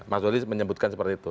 mas dodi menyebutkan seperti itu